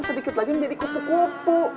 sedikit lagi menjadi kupu kupu